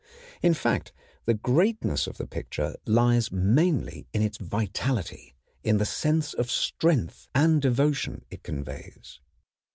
In fact, the greatness of the picture lies mainly in its vitality, in the sense of strength and devotion it conveys.